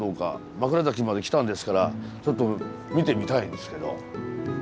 枕崎まで来たんですからちょっと見てみたいんですけど。